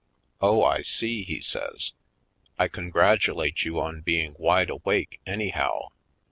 "Oh, I see," he says. "I congratulate you on being wide awake, anyhow.